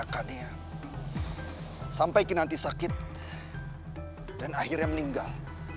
saya sakit dan akhirnya meninggal